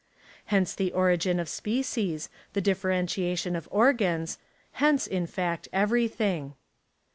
Hence the origin of species, the differentiation of organs — hence, in fact, everything.